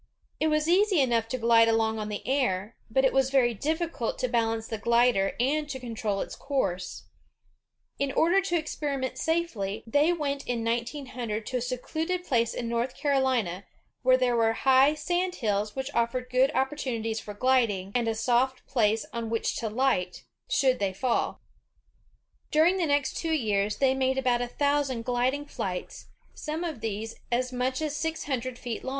It was easy enough to glide along on the air, but it was very difficult to balance the glider and to control its course. In order to experiment safely, they went in 1900 to a secluded place in North Carolina, where there were high sand hills which offered good op portunities for gliding, and a soft place on which to light, 2S8 OTHER FAMOUS INVENTORS OF TO DAY should they fall. During the next two years, they made about a thousand gliding flights, some of these as much as six hundred feet long.